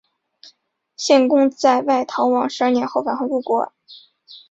献公在外逃亡十二年后返回故国。